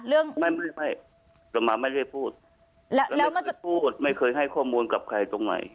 เรื่องไม่ไม่ไม่สมมาไม่ได้พูดแล้วไม่เคยพูดไม่เคยให้ข้อมูลกับใครตรงใน